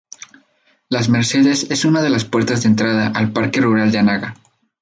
Las Mercedes es una de las puertas de entrada al Parque Rural de Anaga.